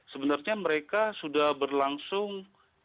sebenarnya mereka sudah berlangsung